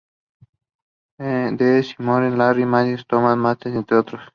De Simone, Larry Madison y Thomas Matta entre otros.